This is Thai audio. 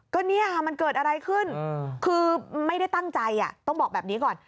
ก็เนี่ยมันเกิดอะไรขึ้นคือไม่ได้ตั้งใจต้องบอกแบบนี้ก่อน